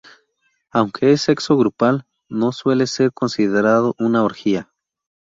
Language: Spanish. Aunque es sexo grupal, no suele ser considerado una orgía.